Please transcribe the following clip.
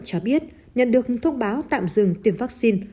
cho biết nhận được thông báo tạm dừng tiêm vaccine